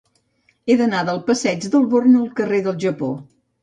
He d'anar del passeig del Born al carrer del Japó.